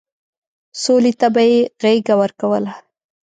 سولې ته به يې غېږه ورکوله.